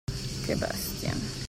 Che bestie!